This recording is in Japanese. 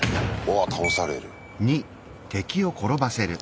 わっ倒される。